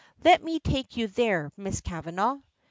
"Let me take you there, Miss Kavanagh."